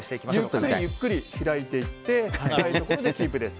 ゆっくりゆっくり開いていってキープです。